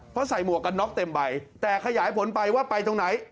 เพราะใส่หมวกกันน็อกเต็มใบแต่ขยายผลไปว่าไปตรงไหน